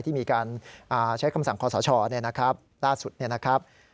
ที่มีการใช้คำสั่งของสชนี่นะครับล่าสุดนี่นะครับ